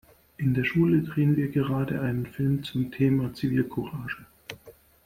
In der Schule drehen wir gerade einen Film zum Thema Zivilcourage.